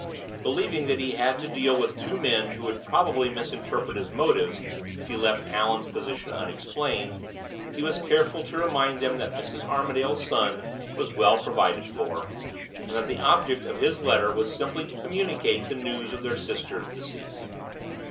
Believing that he had to deal with two men who would probably misinterpret his motives if he left Allan's position unexplained, he was careful to remind them that Mrs. Armadale's son was well provided for, and that the object of his letter was simply to communicate the news of their sister's decease.